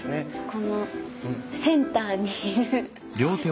このセンターにいる。